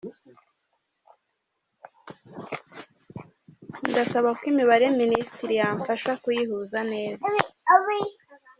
Ndasaba ko imibare Minisitiri yamfasha kuyihuza neza.